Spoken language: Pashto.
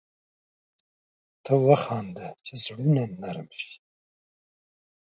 ته وخانده چي زړونه نرم شي